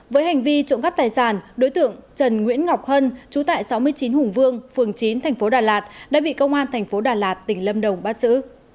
với hành vi trộm gắp tài sản đối tượng trần nguyễn ngọc hân trú tại sáu mươi chín hùng vương phường chín tp đà lạt đã bị công an tp đà lạt tỉnh lâm đồng bắt giữ